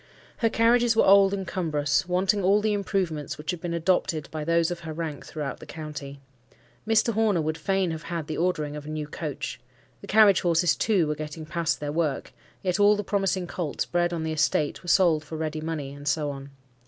Her carriages were old and cumbrous, wanting all the improvements which had been adopted by those of her rank throughout the county. Mr. Horner would fain have had the ordering of a new coach. The carriage horses, too, were getting past their work; yet all the promising colts bred on the estate were sold for ready money; and so on.